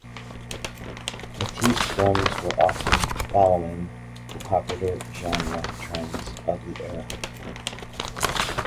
Mattei's films were often following the popular genre trends of the era.